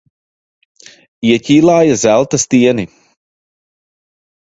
Ieķīlāja zelta stieni.